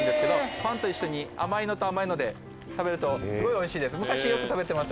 パンと一緒に甘いのと甘いので食べるとすごいおいしいです昔よく食べました。